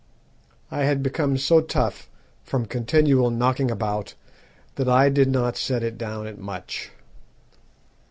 I had become so tough from continual knocking about that I did not set it down at much.